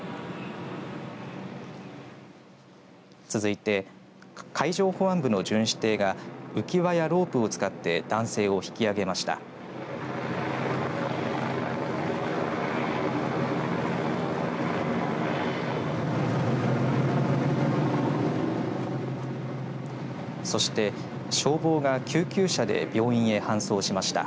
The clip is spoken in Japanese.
続いて、海上保安部の巡視艇が浮輪やロープを使って男性を引き上げました。